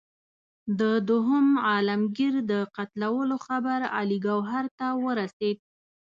د دوهم عالمګیر د قتلېدلو خبر علي ګوهر ته ورسېد.